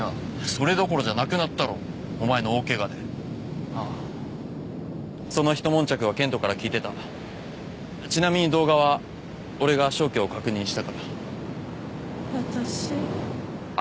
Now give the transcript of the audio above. それどころじゃなくなったろお前の大ケガでああその一悶着は健人から聞いてたちなみに動画は俺が消去を確認したから私あれ？